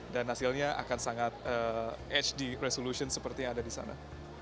dan hasilnya akan sangat hd resolution seperti yang ada di sana